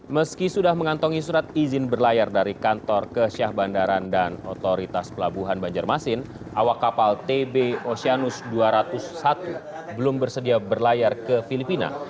meski sudah mengantongi surat izin berlayar dari kantor ke syah bandaran dan otoritas pelabuhan banjarmasin awak kapal tb oceanus dua ratus satu belum bersedia berlayar ke filipina